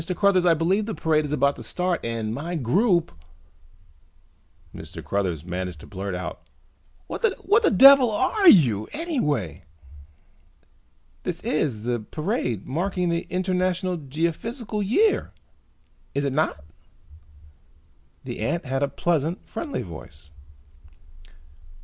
Cruthers, I believe the parade is about to start and my group " Mr. Cruthers managed to blurt out. "What the devil are you anyway!" "This is the parade marking the International Geophysical Year, is it not?" The ant had a pleasant, friendly voice.